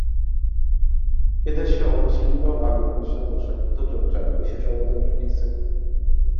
এদেশে অমুসলিমরাও আরবি ভাষা ও সাহিত্য চর্চায় বিশেষ অবদান রেখেছেন।